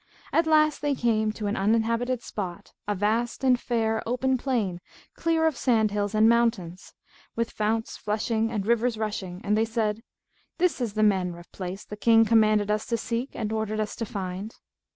At last they came to an uninhabited spot, a vast and fair open plain clear of sand hills and mountains, with founts flushing and rivers rushing, and they said, "This is the manner of place the King commanded us to seek and ordered us to find."